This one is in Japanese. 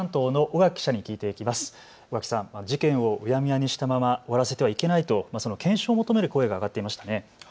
尾垣さん、事件をうやむやにしたまま終わらせてはいけないと検証を求める声が上がっていましたね。